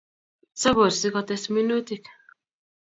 Sapor sikotes minutik